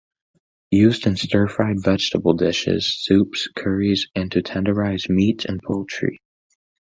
Used in stir fried vegetable dishes, soups, curries, and to tenderize meat and poultry.